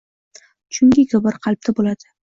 Chunki kibr qalbda bo‘ladi.